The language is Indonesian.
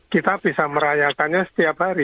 kita bisa merayakannya setiap hari